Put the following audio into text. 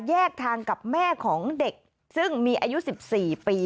แยกทางกับแม่ของเด็กซึ่งมีอายุ๑๔ปี